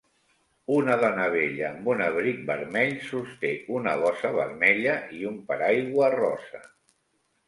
Una dona vella amb un abric vermell sosté una bossa vermella i un paraigua rosa